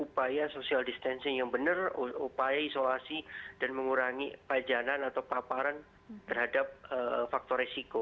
upaya social distancing yang benar upaya isolasi dan mengurangi pajanan atau paparan terhadap faktor resiko